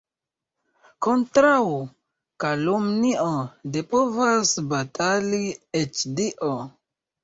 Kontraŭ kalumnio ne povas batali eĉ Dio.